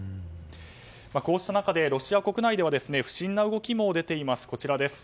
こうした中でロシア国内では不審な動きも出ています。